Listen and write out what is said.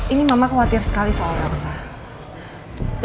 ini mama khawatir sekali soal raksa